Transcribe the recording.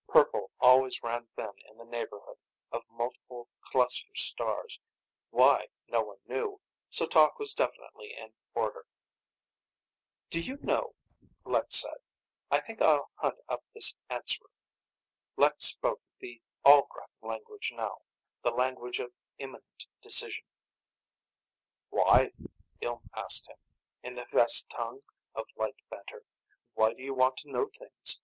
Purple always ran thin in the neighborhood of multiple cluster stars why, no one knew so talk was definitely in order. "Do you know," Lek said, "I think I'll hunt up this Answerer." Lek spoke the Ollgrat language now, the language of imminent decision. "Why?" Ilm asked him, in the Hvest tongue of light banter. "Why do you want to know things?